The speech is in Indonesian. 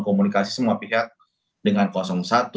komunikasi semua pihak dengan satu